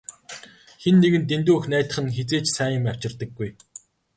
Хэн нэгэнд дэндүү их найдах нь хэзээ ч сайн юм авчирдаггүй.